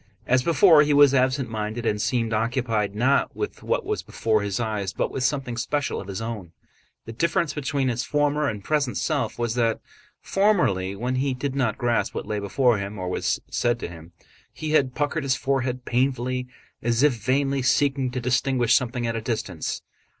As before he was absent minded and seemed occupied not with what was before his eyes but with something special of his own. The difference between his former and present self was that formerly when he did not grasp what lay before him or was said to him, he had puckered his forehead painfully as if vainly seeking to distinguish something at a distance.